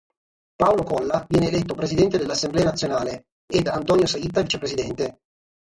Paolo Colla viene eletto Presidente dell'Assemblea Nazionale, ed Antonio Saitta Vicepresidente.